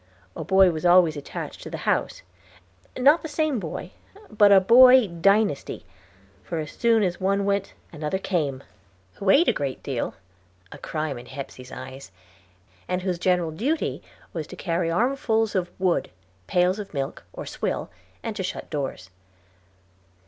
A boy was always attached to the house; not the same boy, but a Boy dynasty, for as soon as one went another came, who ate a great deal a crime in Hepsey's eyes and whose general duty was to carry armfuls of wood, pails of milk, or swill, and to shut doors.